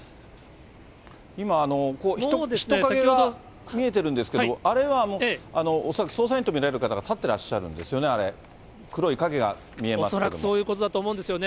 今、人影が見えてるんですけども、あれは恐らく捜査員と見られる方が立ってらっしゃるんですよね、あれ、恐らくそういうことだと思うんですよね。